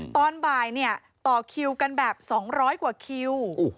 ตอนบ่ายต่อคิวกันแบบ๒๐๐กว่าคิว